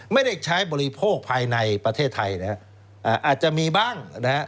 ไม่ได้ใช้บริโภคภายในประเทศไทยนะฮะอาจจะมีบ้างนะฮะ